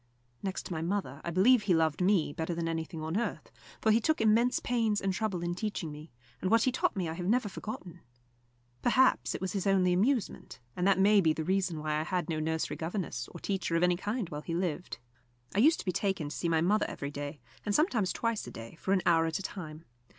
Next to my mother, I believe he loved me better than anything on earth, for he took immense pains and trouble in teaching me, and what he taught me I have never forgotten. Perhaps it was his only amusement, and that may be the reason why I had no nursery governess or teacher of any kind while he lived. I used to be taken to see my mother every day, and sometimes twice a day, for an hour at a time.